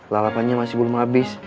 lalapannya masih belum habis